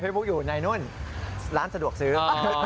บุ๊กอยู่ในนู่นร้านสะดวกซื้อ